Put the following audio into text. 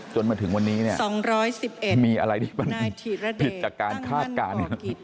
จนถึงวันนี้เนี่ย๒๑๑มีอะไรที่มันผิดจากการคาดการณ์